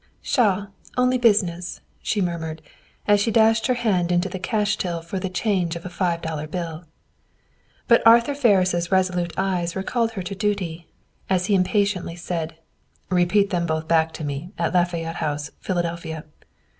"Pshaw! only business," she murmured, as she dashed her hand into the cash till for the change of a five dollar bill. But Arthur Ferris' resolute eyes recalled her to duty, as he impatiently said, "Repeat them both back to me, at Lafayette House, Philadelphia.